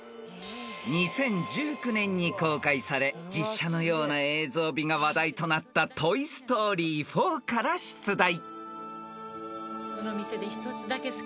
［２０１９年に公開され実写のような映像美が話題となった『トイ・ストーリー４』から出題］